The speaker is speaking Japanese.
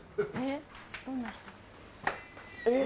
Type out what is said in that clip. どんな人？